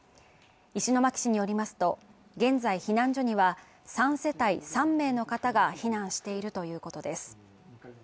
石巻市によりますと、現在避難所には３世帯、３名の方が避難しているということです。